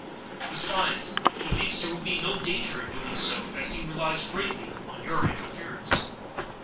Besides, he thinks there will be no danger in so doing, as he relies greatly on your interference."